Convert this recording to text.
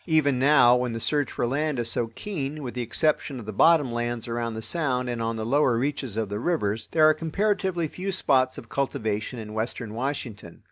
Even now, when the search for land is so keen, with the exception of the bottom lands around the Sound and on the lower reaches of the rivers, there are comparatively few spots of cultivation in western Washington.